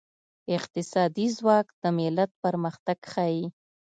اقتصادي ځواک د ملت پرمختګ ښيي.